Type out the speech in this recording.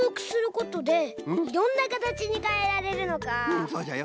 うんそうじゃよ